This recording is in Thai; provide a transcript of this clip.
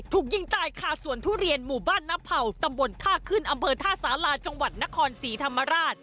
ถูกยิงตายคาสวนทุเรียนหมู่บ้านนับเผ่าตำบลท่าขึ้นอำเภอท่าสาราจังหวัดนครศรีธรรมราช